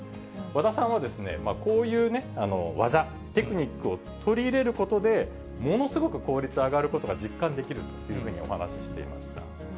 和田さんは、こういう技、テクニックを取り入れることで、ものすごく効率上がることが実感できるというふうにお話していました。